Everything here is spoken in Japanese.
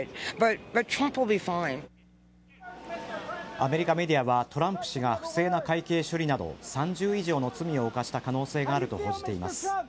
アメリカメディアはトランプ氏が不正な会計処理など３０以上の罪を犯した可能性があると報じています。